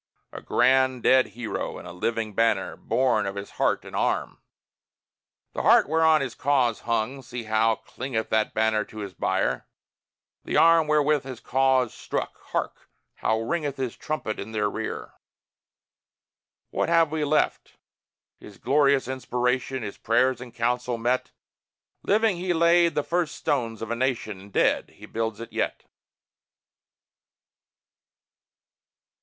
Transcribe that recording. A grand dead hero, in a living banner, Born of his heart and arm: The heart whereon his cause hung see how clingeth That banner to his bier! The arm wherewith his cause struck hark! how ringeth His trumpet in their rear! What have we left? His glorious inspiration, His prayers in council met. Living, he laid the first stones of a nation; And dead, he builds it yet.